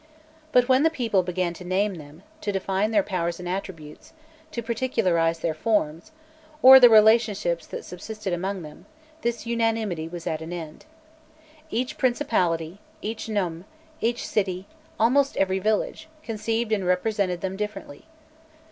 But when the people began to name them, to define their powers and attributes, to particularize their forms, or the relationships that subsisted among them, this unanimity was at an end. Each principality, each nome, each city, almost every village, conceived and represented them differently.